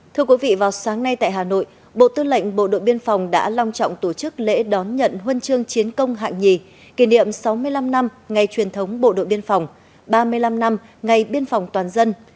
thưa quý vị vào sáng nay tại hà nội bộ tư lệnh bộ đội biên phòng đã long trọng tổ chức lễ đón nhận huân chương chiến công hạng nhì kỷ niệm sáu mươi năm năm ngày truyền thống bộ đội biên phòng ba mươi năm năm ngày biên phòng toàn dân